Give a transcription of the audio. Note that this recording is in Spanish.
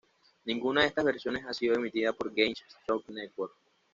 Ninguna de estas versiones ha sido emitida por Game Show Network.